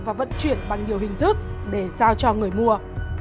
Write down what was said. và vận chuyển bằng nhiều hình thức để giao cho người mua